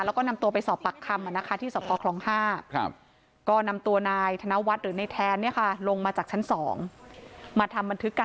แล้วก็นำตัวไปสอบปากคำอ่ะนะคะที่สอบครองห้า